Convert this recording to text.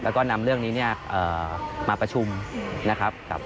แล้วก็นำเรื่องนี้มาประชุมนะครับ